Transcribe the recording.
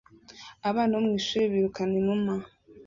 Abana bo mwishuri birukana inuma